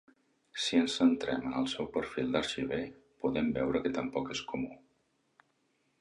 Si ens centrem en el seu perfil d’arxiver, podem veure que tampoc és comú.